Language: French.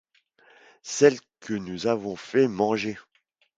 Celle que nous avons fait manger.